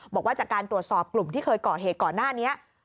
บอกว่าจากการตรวจสอบกลุ่มที่เคยก่อเหตุก่อนหน้านี้